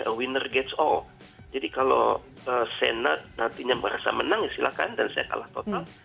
a winner gats all jadi kalau senat nantinya merasa menang ya silahkan dan saya kalah total